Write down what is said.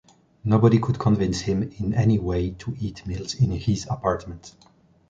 Nobody could convince him in any way to eat meals in his apartments